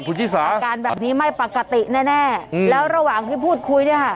คุณชิสาอาการแบบนี้ไม่ปกติแน่แน่แล้วระหว่างที่พูดคุยเนี่ยค่ะ